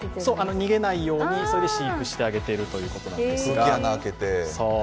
逃げないように飼育してあげているということなんです。